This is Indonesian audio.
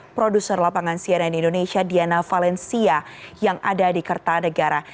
produser lapangan cnn indonesia diana valencia yang ada di kertanegara